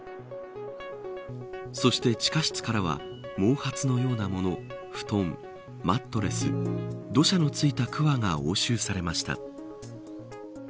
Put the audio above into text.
そして地下室からは毛髪のようなもの、布団マットレス土砂のついたくわが押収されました。